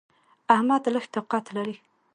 احمد لږ طاقت لري.